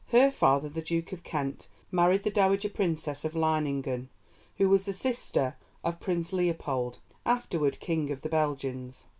Her father, the Duke of Kent, married the Dowager Princess of Leiningen, who was the sister of Prince Leopold, afterward King of the Belgians.